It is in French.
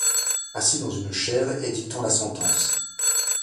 Assis dans une chaire, et dictant la sentence